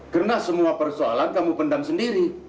karena semua persoalan kamu pendam sendiri